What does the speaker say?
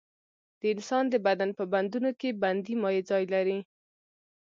د انسان د بدن په بندونو کې بندي مایع ځای لري.